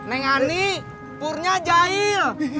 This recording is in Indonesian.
neng ani purnya jahil